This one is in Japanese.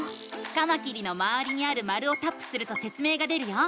カマキリのまわりにある丸をタップするとせつ明が出るよ。